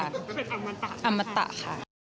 อัมมัตตะค่ะ